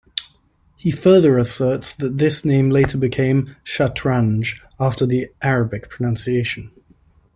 He further asserts that this name later became "Shatranj" after the Arabic pronunciation.